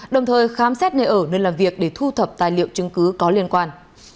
đồng thời khám xét nơi ở nơi làm việc để thu thập tài liệu chứng cứ có liên quan